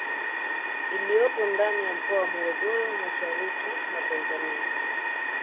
Iliyopo ndani ya Mkoa wa Morogoro mashariki mwa Tanzania